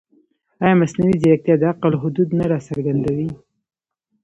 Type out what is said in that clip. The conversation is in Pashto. ایا مصنوعي ځیرکتیا د عقل حدود نه راڅرګندوي؟